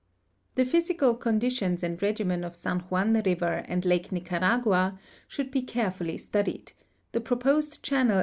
The ])hysical conditions and regimen of San Juan river and Lake Nicaragua should be carefully studied; the proposed channel e.